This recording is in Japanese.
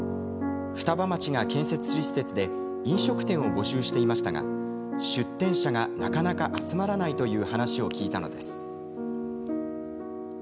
双葉町が建設する施設で飲食店を募集していましたが出店者がなかなか集まらないという話を聞いたのです。